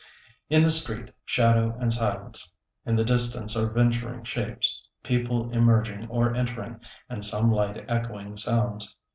In the street, shadow and silence. In the distance are venturing shapes, people emerging or entering, and some light echoing sounds.